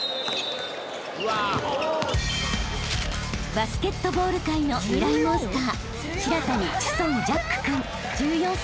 ［バスケットボール界のミライ☆モンスター］